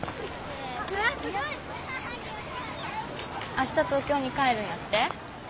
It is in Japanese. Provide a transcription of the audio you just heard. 明日東京に帰るんやって？